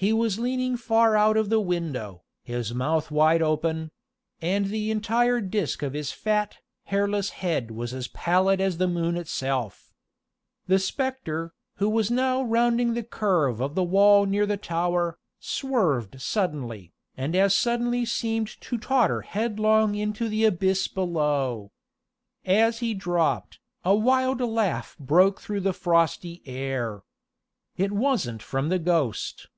He was leaning far out of the window, his mouth wide open; and the entire disk of his fat, hairless head was as pallid as the moon itself. The specter, who was now rounding the curve of the wall near the tower, swerved suddenly, and as suddenly seemed to totter headlong into the abyss below. As he dropped, a wild laugh broke through the frosty air. It wasn't from the ghost.